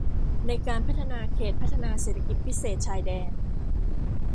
ในการพัฒนาเขตพัฒนาเศรษฐกิจพิเศษชายแดน